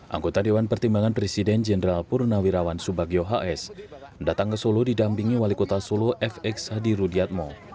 anggota dewan pertimbangan presiden jenderal purnawirawan subagyo hs datang ke solo didampingi wali kota solo f eksa di rudiatmo